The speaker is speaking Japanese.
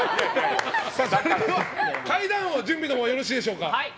それでは階段王、準備のほうはよろしいでしょうか。